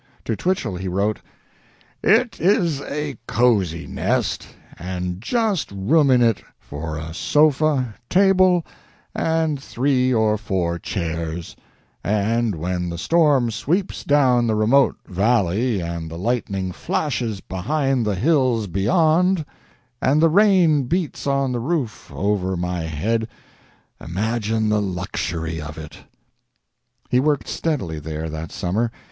To Twichell he wrote: "It is a cozy nest, and just room in it for a sofa, table, and three or four chairs, and when the storm sweeps down the remote valley and the lightning flashes behind the hills beyond, and the rain beats on the roof over my head, imagine the luxury of it!" He worked steadily there that summer.